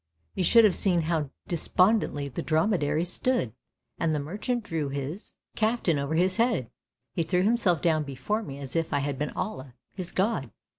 You should have seen how de spondently the dromedaries stood, and the merchant drew his caftan over his head. He threw himself down before me as if I had been Allah, his god.